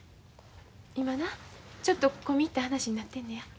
今なちょっと込み入った話になってるのや。